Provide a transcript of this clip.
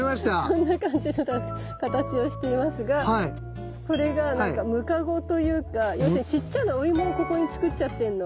そんな感じの形をしていますがこれがムカゴというか要するにちっちゃなお芋をここに作っちゃってんの。